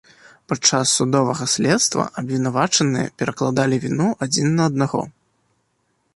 Падчас судовага следства абвінавачаныя перакладалі віну адзін на аднаго.